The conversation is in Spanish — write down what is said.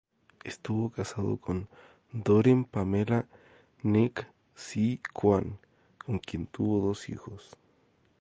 Estuvo casado con Doreen Pamela Ng-See-Quan, con quien tuvo dos hijos.